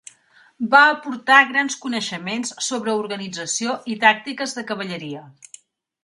Va aportar grans coneixements sobre organització i tàctiques de cavalleria.